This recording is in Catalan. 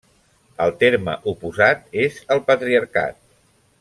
El terme oposat és el patriarcat.